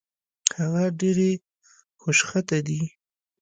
هغه ډېرې خوشخطه دي